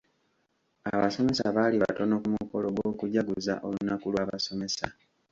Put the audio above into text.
Abasomesa baali batono ku mukolo gw'okujaguza olunaku lw'abasomesa.